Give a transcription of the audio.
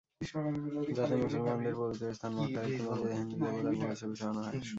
যাতে মুসলমানদের পবিত্রস্থান মক্কার একটি মসজিদে হিন্দু দেবতার ভুয়া ছবি ছড়ানো হয়।